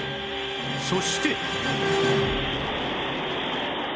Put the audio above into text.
そして